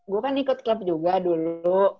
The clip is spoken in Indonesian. gue kan ikut klub juga dulu